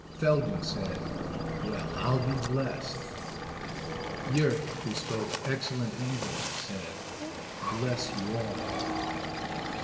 Feldman said, "Well, I'll be blessed." Yurt, who spoke excellent English, said, "Bless you all."